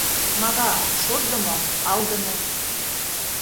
Мага — шотдымо, алдыме.